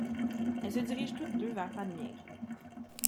Elles se dirigent toutes deux vers Palmyre.